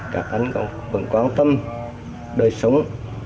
các anh vẫn quan tâm đời sống